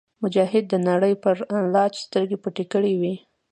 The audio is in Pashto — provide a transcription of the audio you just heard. مجاهد د نړۍ پر لالچ سترګې پټې کړې وي.